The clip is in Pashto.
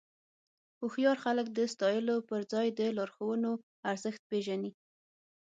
هوښیار خلک د ستایلو پر ځای د لارښوونو ارزښت پېژني.